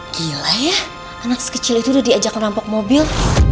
gila ya anak sekecil itu udah diajak merampok mobil